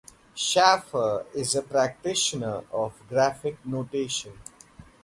Schafer is a practitioner of graphic notation.